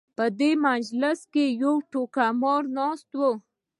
په دې مجلس کې یو ټوکه مار ناست و.